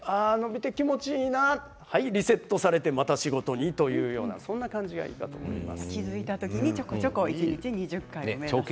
伸びて気持ちいいなはい、リセットされてまた仕事に、というそんな感じがいいと思います。